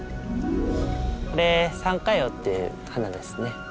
これサンカヨウって花ですね。